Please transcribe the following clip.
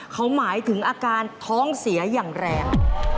เขาหมายถึงอาการท้องเสียอย่างแรง